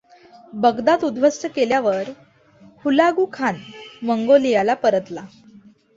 Baghdad उद्ध्वस्त केल्यावर Hulagu Khan मंगोलियाला परतला.